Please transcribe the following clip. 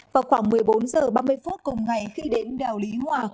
vào khoảng một mươi bốn h ba mươi phút cùng ngày khi đến đèo lý hòa